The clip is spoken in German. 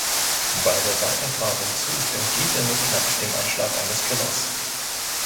Bei der Weiterfahrt im Zug entgeht er nur knapp dem Anschlag eines Killers.